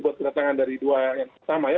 buat kedatangan dari dua yang pertama ya